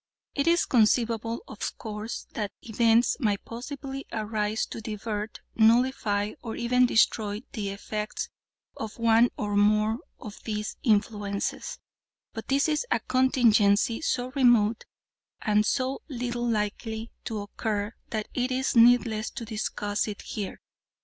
It is conceivable, of course, that events might possibly arise to divert, nullify, or even destroy the effects of one or more of these influences; but this is a contingency so remote and so little likely to occur that it is needless to discuss it here.